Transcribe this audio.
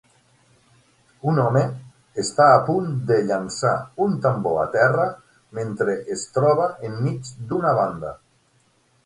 Un home està a punt de llançar un tambor a terra mentre es troba enmig d'una banda